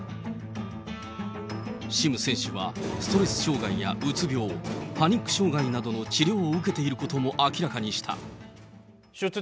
シム選手はストレス障害やうつ病、パニック障害などの治療を受けていることも明らかにした。